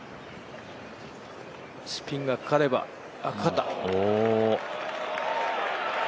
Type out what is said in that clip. スピンがかかればかかった。